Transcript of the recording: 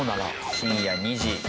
深夜２時。